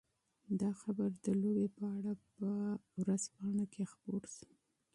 دا خبر د لوبې په اړه په اخبار کې خپور شو.